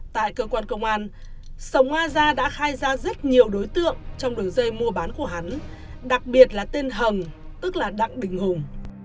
tại cơ quan công an dòng nga ra đã khai ra rất nhiều đối tượng trong đường dây mua bán của hắn đặc biệt là tên hằng tức là đặng bình hùng